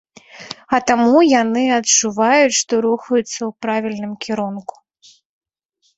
А таму яны адчуваюць, што рухаюцца ў правільным кірунку.